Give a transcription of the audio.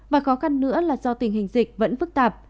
và khó khăn nữa là do tình hình dịch vẫn phức tạp